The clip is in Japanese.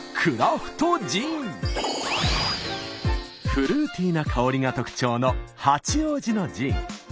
フルーティーな香りが特徴の八王子のジン。